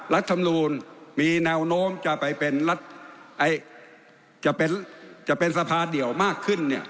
รัฐธรรมดูลมีแนวโน้มจะเป็นสภาเดียวมากขึ้น